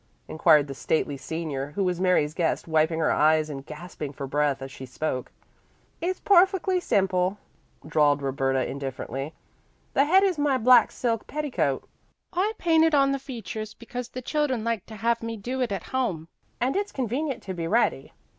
inquired the stately senior, who was Mary's guest, wiping her eyes and gasping for breath as she spoke. "It's perfectly simple," drawled Roberta indifferently. "The head is my black silk petticoat. I painted on the features, because the children like to have me do it at home, and it's convenient to be ready.